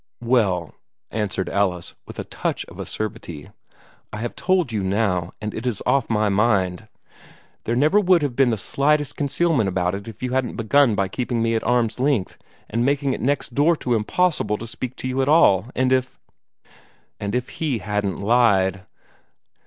"Well," answered Alice, with a touch of acerbity, "I have told you now, and it is off my mind. There never would have been the slightest concealment about it, if you hadn't begun by keeping me at arm's length, and making it next door to impossible to speak to you at all, and if " "And if he hadn't lied."